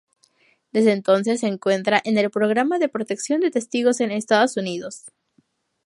Desde entonces se encuentra en el programa de Protección de Testigos en Estados Unidos.